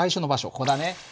ここだね。